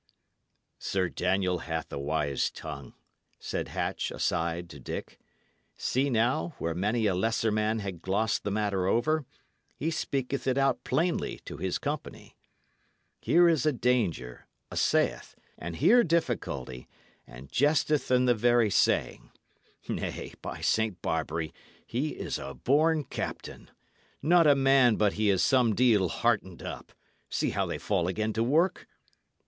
"Sir Daniel hath a wise tongue," said Hatch, aside, to Dick. "See, now, where many a lesser man had glossed the matter over, he speaketh it out plainly to his company. Here is a danger, 'a saith, and here difficulty; and jesteth in the very saying. Nay, by Saint Barbary, he is a born captain! Not a man but he is some deal heartened up! See how they fall again to work."